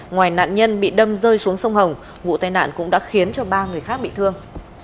ngoài nạn nhân bị đâm rơi xuống sông hồng vụ tai nạn cũng đã khiến cho ba người khác bị thương